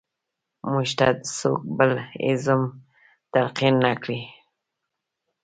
موږ ته څوک بل ایزم تلقین نه کړي.